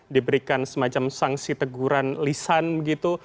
diberikan semacam sanksi teguran lisan begitu